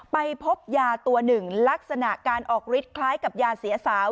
ไปพบยาตัวหนึ่งลักษณะการออกฤทธิคล้ายกับยาเสียสาว